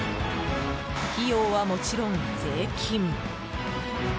費用はもちろん税金。